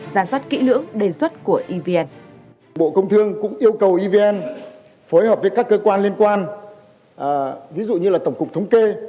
ra soát kỹ lưỡng